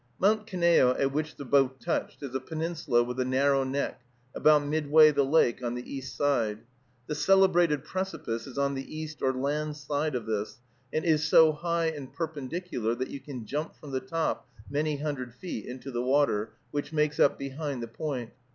Mount Kineo, at which the boat touched, is a peninsula with a narrow neck, about midway the lake on the east side. The celebrated precipice is on the east or land side of this, and is so high and perpendicular that you can jump from the top, many hundred feet, into the water, which makes up behind the point.